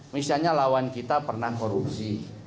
misalnya lawan kita pernah korupsi